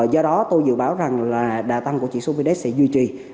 do đó tôi dự báo rằng đà tăng của trị số vnx sẽ duy trì